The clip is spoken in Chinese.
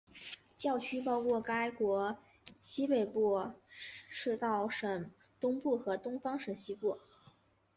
教区包括该国西北部赤道省东部和东方省西部。